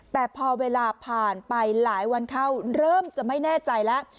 แต่พอเวลาผ่านไปหลายวันเข้าเริ่มจะไม่แน่ใจแล้ว